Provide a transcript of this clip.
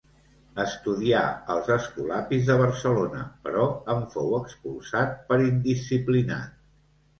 Estudià als escolapis de Barcelona, però en fou expulsat per indisciplinat.